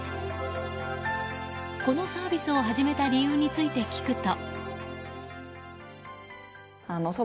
このサービスを始めた理由について聞くと。